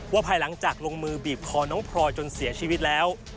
ภายหลังจากลงมือบีบคอน้องพลอยจนเสียชีวิตแล้ว